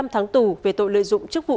một mươi năm tháng tù về tội lợi dụng chức vụ